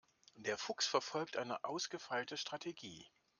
Der Fuchs verfolgt eine ausgefeilte Strategie.